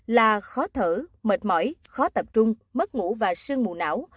là khó thở mệt mỏi khó tập trung mất ngủ và sương mù não